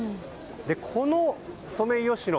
このソメイヨシノ